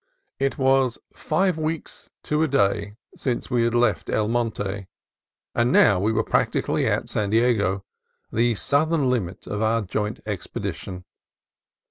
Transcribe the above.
It was five weeks, to a day, since we had left El Monte, and now we were practically at San Diego, the southern limit of our joint expedition.